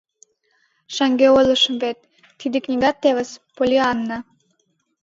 — Шаҥге ойлышым вет, тиде книгат тевыс, Поллианна.